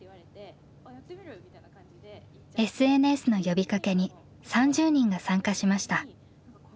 ＳＮＳの呼びかけに３０人が参加しました。